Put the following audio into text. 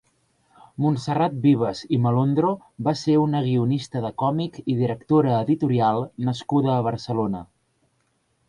Montserrat Vives i Malondro va ser una guionista de còmic i directora editorial nascuda a Barcelona.